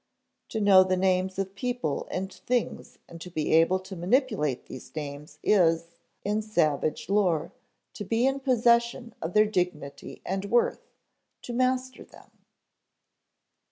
To know the names of people and things and to be able to manipulate these names is, in savage lore, to be in possession of their dignity and worth, to master them.